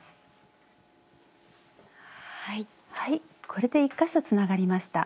これで１か所つながりました。